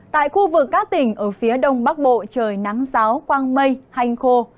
tại khu vực các tỉnh ở phía đông bắc bộ trời nắng giáo quang mây hành khô